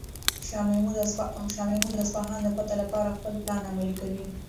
شاه محمود د اصفهان د فتح لپاره خپل پلان عملي کوي.